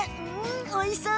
おいしそう！